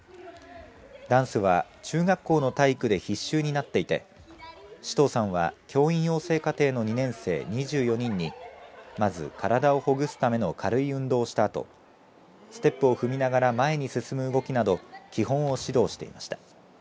ダンスは、中学校の体育で必修になっていて司東さんは教員養成課程の２年生２４人に、まず体をほぐすための軽い運動をしたあとステップを踏みながら前に進む動きなど基本を指導していました。